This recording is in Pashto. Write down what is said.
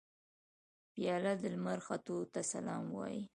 پیاله د لمر ختو ته سلام وايي.